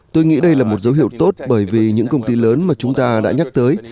tôi nghĩ đây là một dấu hiệu tốt bởi vì những công ty lớn mà chúng ta đã nhắc tới